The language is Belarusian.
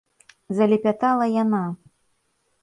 - залепятала яна.